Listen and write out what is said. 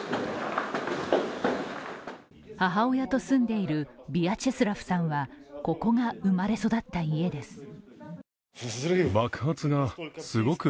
母親と住んでいるヴィアチェスラフさんは、ここが生まれ育った家です。